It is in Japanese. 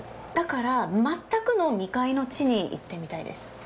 だから全くの未開の地に行ってみたいです。